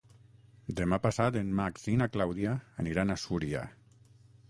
Demà passat en Max i na Clàudia aniran a Súria.